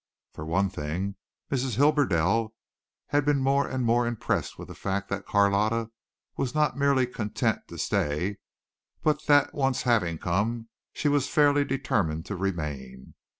For one thing Mrs. Hibberdell had been more and more impressed with the fact that Carlotta was not merely content to stay but that once having come she was fairly determined to remain.